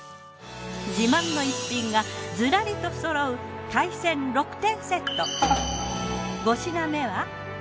自慢の逸品がずらりとそろう海鮮６点セット。